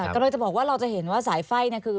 กำลังจะบอกว่าเราจะเห็นว่าสายไฟ่คือ